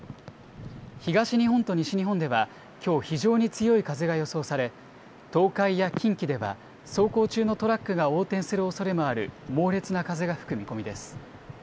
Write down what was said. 東日本と西日本ではきょう非常に強い風が予想され、東海や近畿では、走行中のトラックが横転するおそれもある猛烈な風が吹く見込みです。